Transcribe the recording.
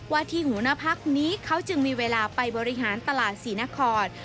วาธิหุณภักดิ์นี้เขาจึงมีเวลาไปบริหารตลาดศีลนคร